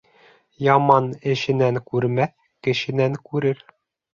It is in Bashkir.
Яман эшенән күрмәҫ, кешенән күрер.